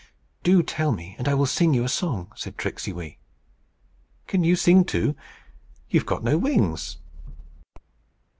"Do tell me, and I will sing you a song," said Tricksey Wee. "Can you sing too? You have got no wings!"